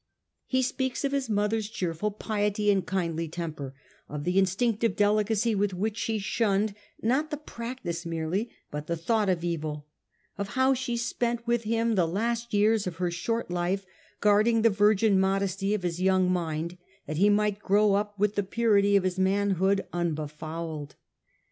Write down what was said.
He speaks of his mother's cheerful piety and kindly temper, of the instinctive delicacy with which she shunned not the practice merely but the thought of evil, of how she spent with him the last years of her short life, guarding the virgin modesty of his young mind, that he might grow up with the purity of his manhood unbefouled.